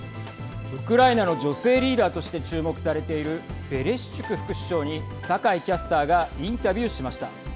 ウクライナの女性リーダーとして注目されているベレシチュク副首相に酒井キャスターがインタビューしました。